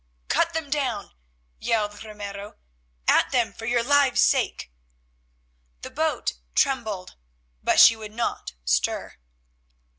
"Cut them down!" yelled Ramiro. "At them for your lives' sake." The boat trembled, but she would not stir.